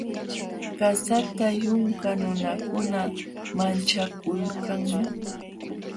Qasata yunka nunakuna manchakulkanmi.